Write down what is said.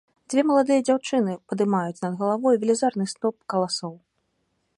Дзве маладыя дзяўчыны падымаюць над галавой велізарны сноп каласоў.